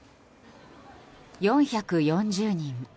４４０人。